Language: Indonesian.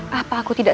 hanya yang hidup